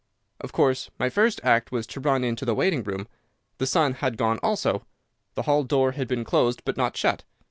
"Of course, my first act was to run into the waiting room. The son had gone also. The hall door had been closed, but not shut.